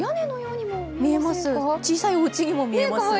見えます、小さいおうちにも見えます。